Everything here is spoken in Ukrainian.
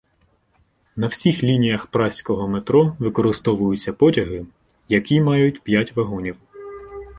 На всіх лініях празького метро використовуються потяги, які мають п'ять вагонів.